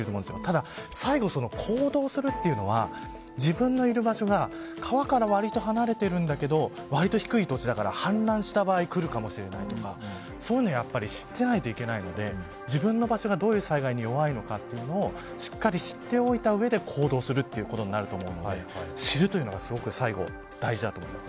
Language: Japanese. ただ最後、行動するというのは自分のいる場所が川から割と離れてるんだけど割と低い土地だから氾濫した場合来るかもしれないとかそういうのを、やっぱり知っていないといけないので自分の場所がどういう災害に弱いのかというのをしっかり知っておいて行動するということになると思うので知るというのがすごく最後、大事だと思います。